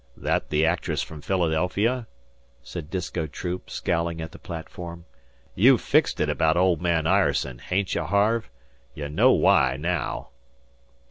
"That the actress from Philadelphia?" said Disko Troop, scowling at the platform. "You've fixed it about old man Ireson, hain't ye, Harve? Ye know why naow."